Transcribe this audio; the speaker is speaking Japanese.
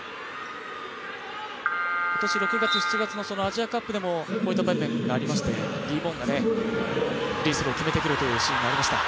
今年６月７月のアジアカップでもこういった場面がありましてフリースローを決めてくるというシーンがありました。